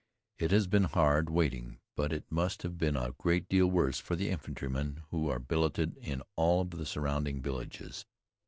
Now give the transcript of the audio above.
It has been hard, waiting, but it must have been a great deal worse for the infantrymen who are billeted in all of the surrounding villages.